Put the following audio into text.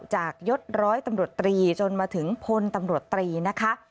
ยศร้อยตำรวจตรีจนมาถึงพลตำรวจตรีนะคะ